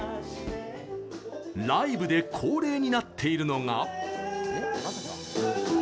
ライブで恒例になっているのが。